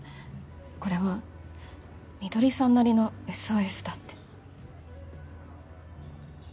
これは翠さんなりのＳＯＳだって。